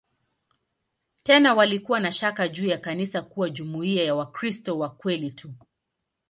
Tena walikuwa na shaka juu ya kanisa kuwa jumuiya ya "Wakristo wa kweli tu".